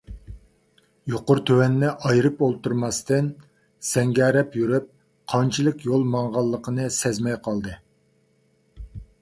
يۇقىرى - تۆۋەننى ئايرىپ ئولتۇرماستىن، سەڭگىرەپ يۈرۈپ، قانچىلىك يول ماڭغانلىقىنى سەزمەي قالدى.